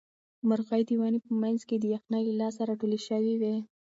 مرغۍ د ونې په منځ کې د یخنۍ له لاسه راټولې شوې وې.